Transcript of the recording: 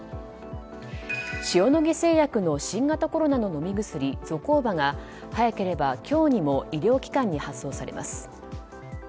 塩野義製薬の新型コロナの飲み薬ゾコーバが早ければ今日から医療機関に発送されます。